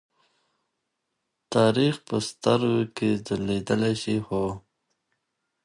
تاریخ په سترګو کې ځليدلی شي.